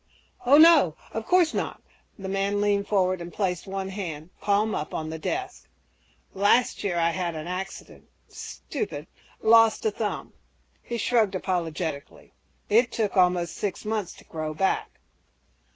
"Oh, no ... of course not!" The man leaned forward and placed one hand, palm up, on the desk. "Last year I had an accident ... stupid ... lost a thumb." He shrugged apologetically, "It took almost six months to grow back."